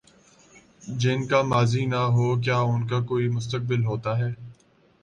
جن کا ماضی نہ ہو، کیا ان کا کوئی مستقبل ہوتا ہے؟